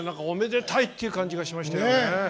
おめでたいっていう感じがしましたよね。